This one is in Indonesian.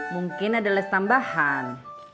mungkin ada les tambahan